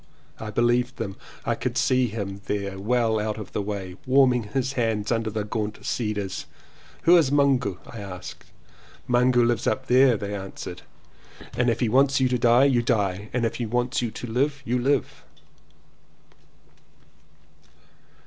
I be Heved them. I could see him there well out of the way, warming his hands under the gaunt cedars. "Who is Mungu?" I asked. "Mungu lives up there," they answered, "and if he wants you to die you die, and if he wants you to live you live."